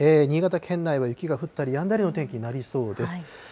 新潟県内は雪が降ったりやんだりの天気になりそうです。